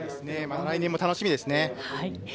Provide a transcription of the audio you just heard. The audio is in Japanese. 来年も楽しみですよね。